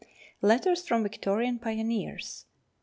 302 Letters from Victorian Pioneers.